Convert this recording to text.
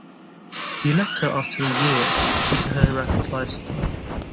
He left her after a year, due to her erratic lifestyle.